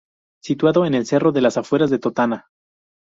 Situado en un cerro a las afueras de Totana.